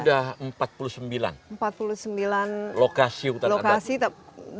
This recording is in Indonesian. sampai saat ini ada empat puluh sembilan lokasi hutan adat